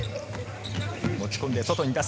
持ち込んで外に出す。